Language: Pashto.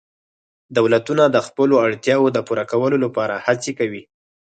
دولتونه د خپلو اړتیاوو د پوره کولو لپاره هڅه کوي